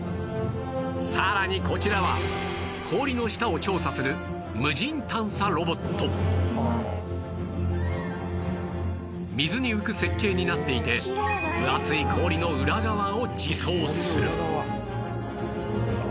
さらにこちらは氷の下を調査する水に浮く設計になっていて分厚い氷の裏側を自走する